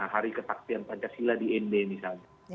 hari kesaktian pancasila di nd misalnya